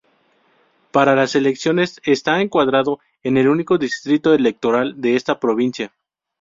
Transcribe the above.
Para las elecciones está encuadrado en el único Distrito Electoral de esta provincia.